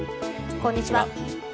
こんにちは。